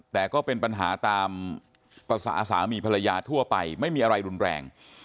แต่ก็เป็นปัญหาตามภาษาสามีภรรยาทั่วไปไม่มีอะไรรุนแรง